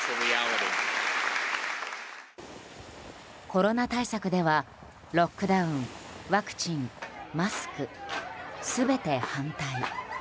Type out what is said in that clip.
コロナ対策ではロックダウンワクチン、マスク、全て反対。